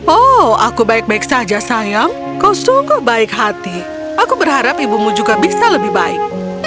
oh aku baik baik saja sayangku sungguh baik hati aku berharap ibumu juga bisa lebih baik